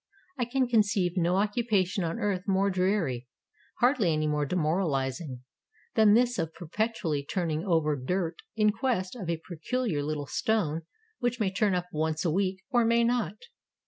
I can conceive no occupation on earth more dreary — hardly any more demoralizing — than this of perpetually turning over dirt in quest of a pecuhar Httle stone which may turn up once a week or may not.